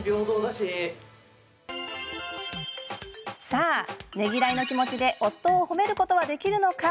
さあ、ねぎらいの気持ちで夫を褒めることはできるのか。